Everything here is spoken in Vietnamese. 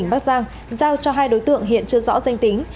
bắt giang giao cho hai đối tượng hiện chưa rõ danh tính